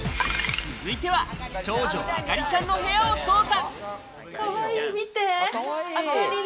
続いては長女・あかりちゃんの部屋を捜査。